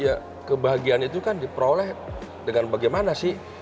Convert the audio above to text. ya kebahagiaan itu kan diperoleh dengan bagaimana sih